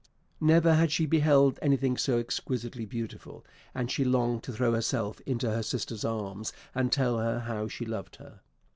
Never had she beheld anything so exquisitely beautiful; and she longed to throw herself into her sister's arms and tell her how she loved her.